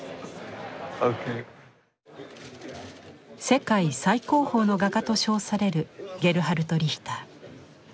世界最高峰の画家と称されるゲルハルト・リヒター。